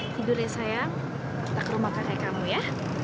tidur ya sayang kita ke rumah kakak kamu ya